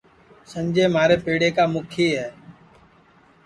سنجے مھارے پیڑا کا مُکھی ہے